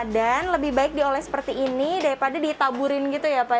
dan lebih baik dioles seperti ini daripada ditaburin gitu ya pak ya